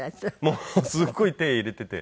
もうすごいペン入れていて。